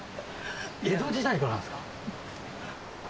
江戸時代からなんですか？